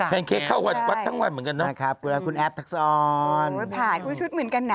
แพนเค้กเข้าวัดทั้งวันเหมือนกันนะ